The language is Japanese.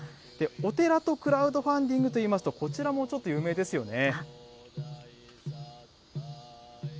お寺とクラウドファンディングといいますと、こちらもちょっと有名ですよね。